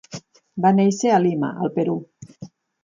Va néixer a Lima, al Perú.